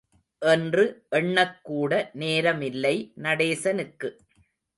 என்று எண்ணக் கூட நேரமில்லை நடேசனுக்கு.